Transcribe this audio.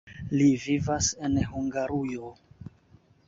Li vivas en Hungarujo.